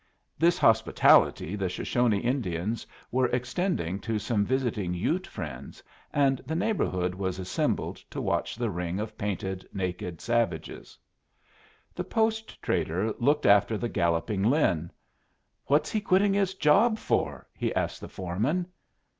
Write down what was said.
This hospitality the Shoshone Indians were extending to some visiting Ute friends, and the neighborhood was assembled to watch the ring of painted naked savages. The post trader looked after the galloping Lin. "What's he quitting his job for?" he asked the foreman.